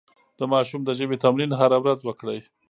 د ماشوم د ژبې تمرين هره ورځ وکړئ.